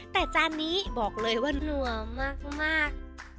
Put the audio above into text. แต่จานนี้บอกเลยว่านัวมาก